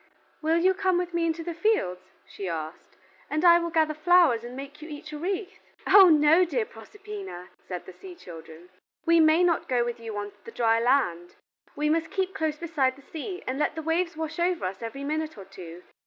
"Will you come with me into the fields," she asked, "and I will gather flowers and make you each a wreath?" "Oh no, dear Proserpina," said the sea children, "we may not go with you on the dry land. We must keep close beside the sea and let the waves wash over us every minute or two.